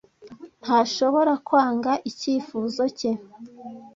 Ntashobora kwanga icyifuzo cye.